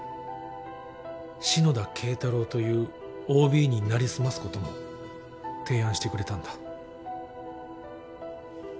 篠田敬太郎というＯＢに成り済ますことも提案してくれたんだ。